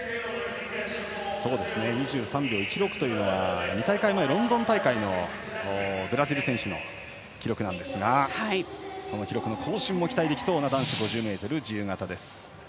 ２３秒１６は２大会前ロンドン大会のブラジル選手の記録なんですがその記録の更新も期待できそうな男子５０ｍ自由形です。